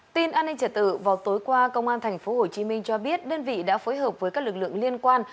tin an ninh trả tự vào tối qua công an tp hcm cho biết đơn vị đã phối hợp với các lực lượng liên quan